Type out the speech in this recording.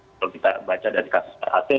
kalau kita baca dari kasus rat